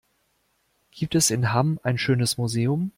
Gibt es in Hamm ein schönes Museum?